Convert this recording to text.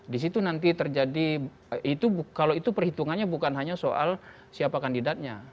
di situ nanti terjadi itu kalau itu perhitungannya bukan hanya soal siapa kandidatnya